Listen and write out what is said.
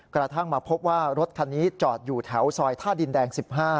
กระทั่งมาพบว่ารถคันนี้จอดอยู่แถวซอยท่าดินแดง๑๕